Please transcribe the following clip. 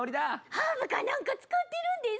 ハーブかなんか使ってるんですか？